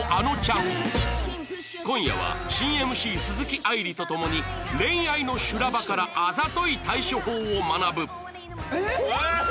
今夜は新 ＭＣ 鈴木愛理と共に恋愛の修羅場からあざとい対処法を学ぶ